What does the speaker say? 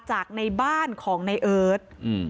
จากในบ้านของในเอิร์ท